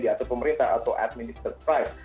diatur pemerintah atau administered price